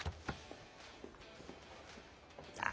あ！